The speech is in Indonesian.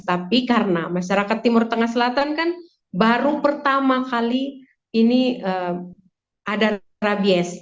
tapi karena masyarakat timur tengah selatan kan baru pertama kali ini ada rabies